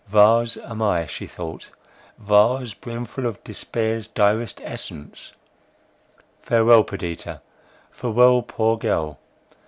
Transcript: "Vase am I," she thought, "vase brimful of despair's direst essence. Farewell, Perdita! farewell, poor girl!